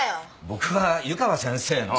僕は湯川先生の。